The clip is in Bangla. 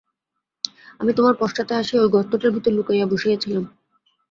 আমি তোমার পশ্চাতে আসিয়া ঐ গর্তটার ভিতরে লুকাইয়া বসিয়া ছিলাম।